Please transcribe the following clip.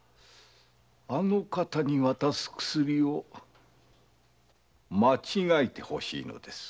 あの方に渡す薬を間違えてほしいのです。